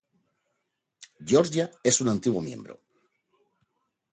Georgia es un antiguo miembro.